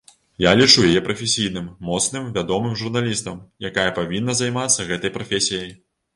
Я лічу яе прафесійным, моцным, вядомым журналістам, якая павінна займацца гэтай прафесіяй.